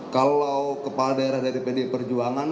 kalau kepala daerah dari pd perjuangan